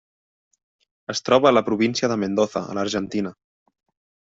Es troba a la província de Mendoza, a l'Argentina.